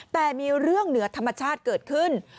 แต่มีเรื่องเหนือธรรมชาติเกิดขึ้น